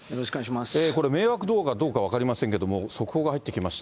これ、迷惑動画かどうか分かりませんけれども、速報が入ってきました。